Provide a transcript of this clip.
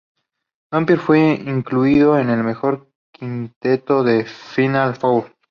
Dampier fue incluido en el mejor quinteto de la Final Four.